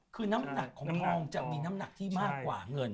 คือน้ำหนักของทองจะมีน้ำหนักที่มากกว่าเงิน